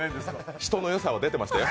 人のよさは出てましたよ。